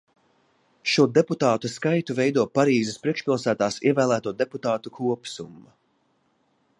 Šo deputātu skaitu veido Parīzes priekšpilsētās ievēlēto deputātu kopsumma.